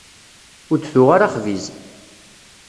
Ur d-tuɣ ara axbiz.